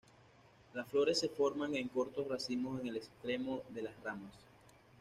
Las flores se forman en cortos racimos en el extremo de las ramas.